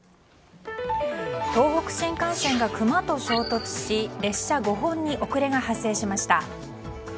東北新幹線がクマと衝突し列車５本に遅れが発生しました。